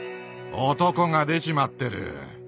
男が出ちまってる。